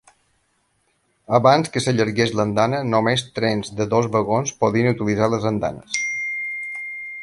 Abans que s'allargués l'andana, només trens de dos vagons podien utilitzar les andanes.